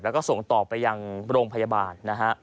แล้วก็ส่งต่อไปยังโรงพยาบาลนะฮะ